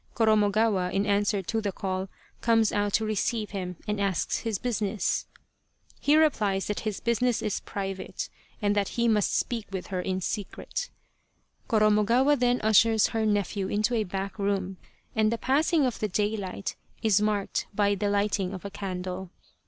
Korornogawa, in answer to the call, comes out to receive him and asks his business. He replies that his business is private and that he must speak with 68 The Tragedy of Kesa Gozen her in secret. Koromogawa then ushers her nephew into a back room, and the passing of the daylight is marked by the lighting of a candle.